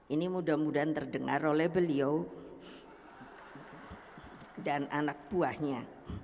ini mudah mudahan terdengar oleh beliau dan anak buahnya